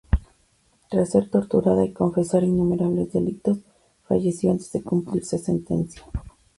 Tras ser torturada y confesar innumerables delitos, falleció antes de cumplirse sentencia.